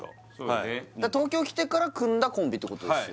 はい東京来てから組んだコンビってことですよね